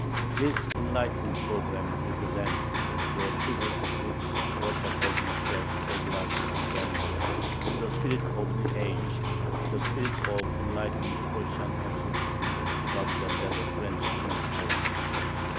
This "enlightened" program represents the tribute which the Russian Government felt obliged to render to the spirit of the age, the spirit of enlightened Prussian absolutism rather than that of French emancipation.